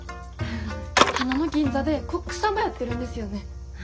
花の銀座でコックさんばやってるんですよね？